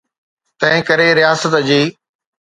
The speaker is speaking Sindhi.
تنهنڪري رياست جي.